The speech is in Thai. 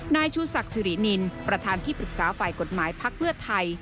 นายชูศักดิ์สิรินินประธานที่ปรึกษาฝ่ายกฎหมายพักเพื่อไทย